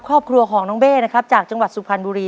ครอบครัวของน้องเบ้นะครับจากจังหวัดสุพรรณบุรี